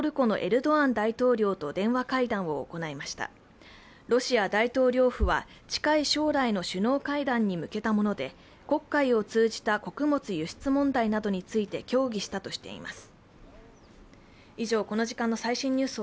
ロシア大統領府は近い将来の首脳会談に向けたもので黒海を通じた穀物輸出問題などについて協議したとしています。